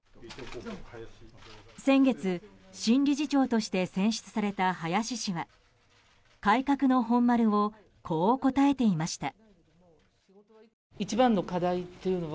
先月、新理事長として選出された林氏は改革の本丸をこう答えていました。